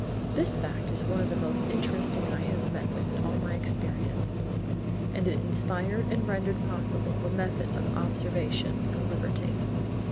This fact is one of the most interesting I have met with in all my experience, and it inspired and rendered possible the method of observation and liberty.